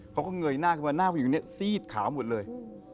เงยหน้าขึ้นมาหน้าผู้หญิงคนนี้ซีดขาวหมดเลย